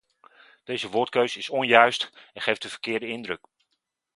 Deze woordkeus is onjuist en geeft de verkeerde indruk.